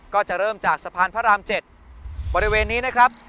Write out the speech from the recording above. ก็จะเริ่มจากสะพานพระราม๗บริเวณนี้นะครับ